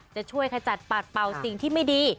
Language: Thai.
จะช่วยขจัดปัดเป่าสิ่งที่ไม่ดี